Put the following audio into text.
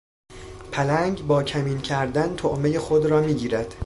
پلنگ با کمین کردن طعمهی خود را میگیرد.